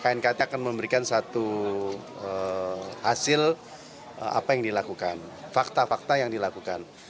knkt akan memberikan satu hasil apa yang dilakukan fakta fakta yang dilakukan